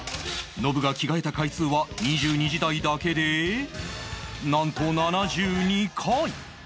ノブが着替えた回数は２２時台だけでなんと７２回